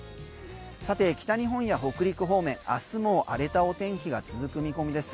さて北日本や北陸方面明日も荒れたお天気が続く見込みです。